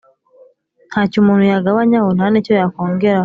Nta cyo umuntu yagabanyaho, nta n’icyo yakongeraho;